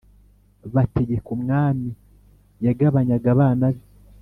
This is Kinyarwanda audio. bategekaga umwami yagabanyaga abana be